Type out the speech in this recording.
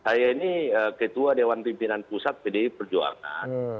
saya ini ketua dewan pimpinan pusat pdi perjuangan